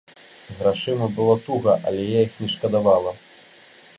З грашыма было туга, але я іх не шкадавала.